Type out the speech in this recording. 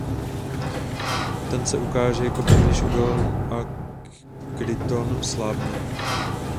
Ten se ukáže jako příliš odolný a Kryton slábne.